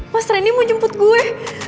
mas reni mau jemput gue